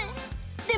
で